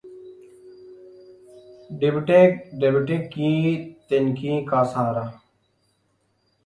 ڈیںبتیں کیں تنکیں کا سہارا